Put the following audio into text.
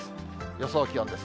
予想気温です。